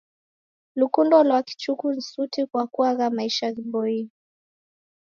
Lukundo lwa kichuku ni suti kwa kuagha maisha ghiboie.